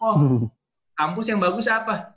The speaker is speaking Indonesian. oh kampus yang bagus apa